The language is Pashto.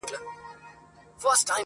• څوك مي غلا څوك مي زنا ته هڅولي -